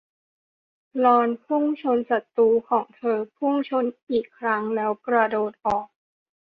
ลอนพุ่งชนศัตรูของเธอพุ่งชนอีกครั้งแล้วกระโดดออก